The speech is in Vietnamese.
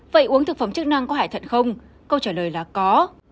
vậy uống thực phẩm chức năng có hải thận không câu trả lời là có